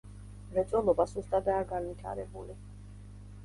მრეწველობა სუსტადაა განვითარებული.